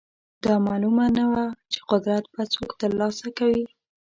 دا معلومه نه وه چې قدرت به څوک ترلاسه کوي.